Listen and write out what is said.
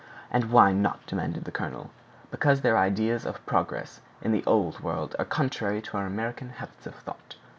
"And why not?" demanded the colonel. "Because their ideas of progress in the Old World are contrary to our American habits of thought.